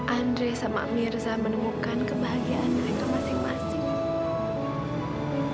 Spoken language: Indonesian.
andre sama mirza menemukan kebahagiaan mereka masing masing